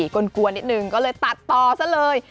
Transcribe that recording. กลัวนิดนึงก็เลยตัดต่อซะเลย